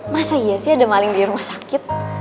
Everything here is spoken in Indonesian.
masa iya sih ada maling di rumah sakit